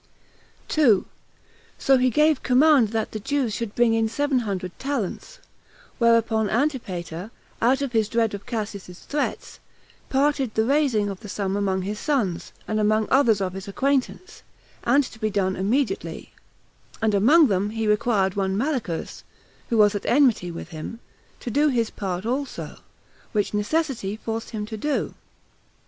2. So he gave command that the Jews should bring in seven hundred talents; whereupon Antipater, out of his dread of Cassius's threats, parted the raising of this sum among his sons, and among others of his acquaintance, and to be done immediately; and among them he required one Malichus, who was at enmity with him, to do his part also, which necessity forced him to do.